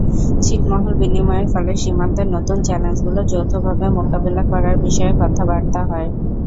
ছিটমহল বিনিময়ের ফলে সীমান্তের নতুন চ্যালেঞ্জগুলো যৌথভাবে মোকাবিলা করার বিষয়ে কথাবার্তা হয়।